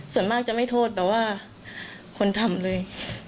ส่วนมากจะไม่โทษแต่ว่าคนทำเลย